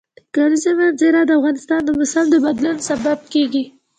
د کلیزو منظره د افغانستان د موسم د بدلون سبب کېږي.